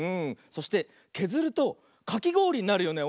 そしてけずるとかきごおりになるよね。